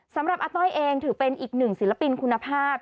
อาต้อยเองถือเป็นอีกหนึ่งศิลปินคุณภาพ